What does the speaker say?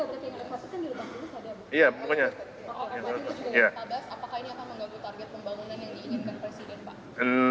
apakah ini akan mengganggu target pembangunan yang diinginkan presiden pak